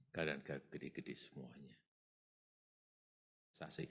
kadang kadang gede gede semuanya